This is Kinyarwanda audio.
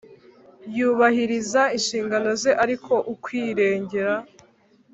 Yubahiriza inshingano ze ariko ukwirengera